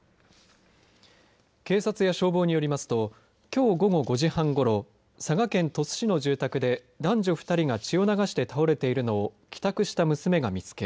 警察や消防によりますときょう午後５時半ごろ佐賀県鳥栖市の住宅で男女２人が血を流して倒れているのを帰宅した娘が見つけ